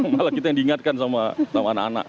malah kita yang diingatkan sama anak anak